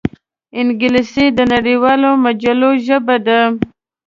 انګلیسي د نړیوالو مجلو ژبه ده